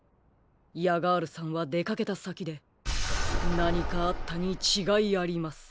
ヤガールさんはでかけたさきでなにかあったにちがいありません。